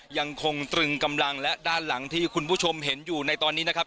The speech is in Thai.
ยังคงตรึงกำลังและด้านหลังที่คุณผู้ชมเห็นอยู่ในตอนนี้นะครับ